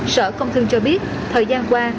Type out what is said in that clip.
sở công thương cho biết thời gian qua